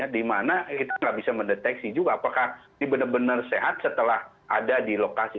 di mana kita tidak bisa mendeteksi juga apakah dia benar benar sehat setelah ada di lokasi